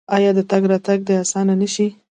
آیا تګ راتګ دې اسانه نشي؟